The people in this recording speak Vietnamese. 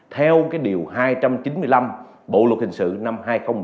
theo cái điều hai trăm chín mươi năm bộ luật dân sự năm hai nghìn một mươi năm